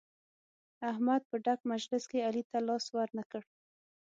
احمد په ډک مجلس کې علي ته لاس ور نه کړ.